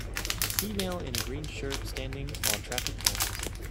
A female in a green shirt standing while traffic passes